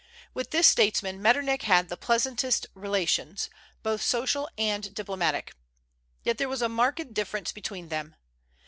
With this statesman Metternich had the pleasantest relations, both social and diplomatic. Yet there was a marked difference between them.